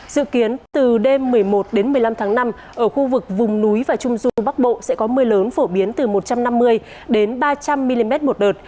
dự kiến từ đêm một mươi một đến một mươi năm tháng năm ở khu vực vùng núi và trung du bắc bộ sẽ có mưa lớn phổ biến từ một trăm năm mươi đến ba trăm linh mm một đợt